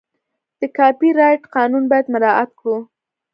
د کاپي رایټ قانون باید مراعت کړو.